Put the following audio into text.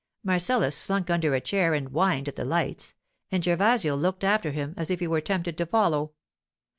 Marcellus slunk under a chair and whined at the lights, and Gervasio looked after him as if he were tempted to follow.